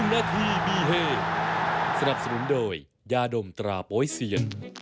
๑นาทีมีเฮวันนี้